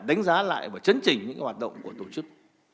đánh giá lại và chấn trình những hoạt động của tổ chức